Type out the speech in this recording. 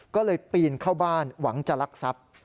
ก็เลยปีนเข้าบ้านหวังจะลักทรัพย์